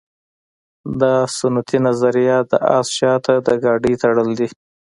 دا سنتي نظریه د اس شاته د ګاډۍ تړل دي